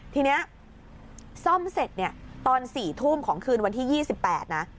ทีนี้ซ่อมเสร็จเนี่ยตอน๔ทุ่มของคืนวันที่๒๘นะ